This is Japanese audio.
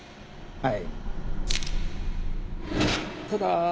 はい。